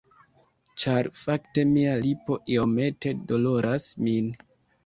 Ĉar fakte mia lipo iomete doloras min.